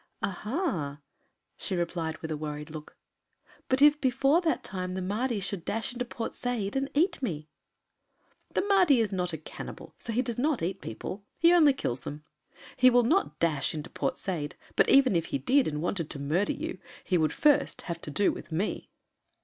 "Aha!" she replied with a worried look, "but if before that time the Mahdi should dash into Port Said and eat me." "The Mahdi is not a cannibal, so he does not eat people. He only kills them. He will not dash into Port Said, but even if he did and wanted to murder you, he would first have to do with me."